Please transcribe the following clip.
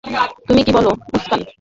তুমি কি বল, মুসকান?